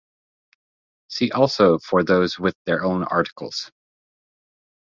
See also for those with their own articles.